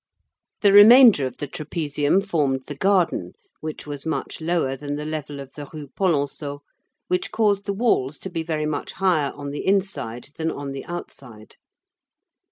The remainder of the trapezium formed the garden, which was much lower than the level of the Rue Polonceau, which caused the walls to be very much higher on the inside than on the outside.